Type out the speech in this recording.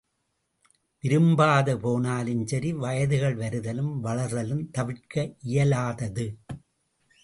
விரும்பாது போனாலும் சரி வயதுகள் வருதலும் வளர்தலும் தவிர்க்க இயலாதது.